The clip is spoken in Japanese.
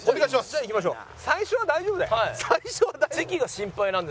じゃあ行きましょう。